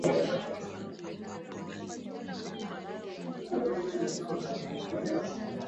kurasa mia mbili sitini za katiba na kutunga sheria za kuwaadhibu wakenya